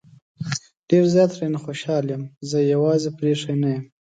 ډېر زيات ترې نه خوشحال يم زه يې يوازې پرېښی نه يم